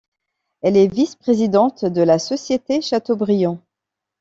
Elle est vice-présidente de la Société Chateaubriand.